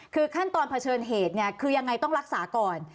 คือขั้นตอนเผชิญเหตุเนี่ยคือยังไงต้องรักษาก่อน